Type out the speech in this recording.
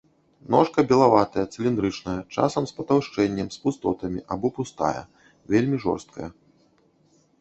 Ножка белаватая, цыліндрычная, часам з патаўшчэннем, з пустотамі або пустая, вельмі жорсткая.